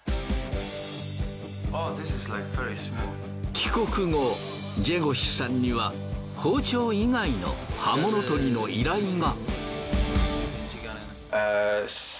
帰国後ジェゴシュさんには包丁以外の刃物研ぎの依頼が。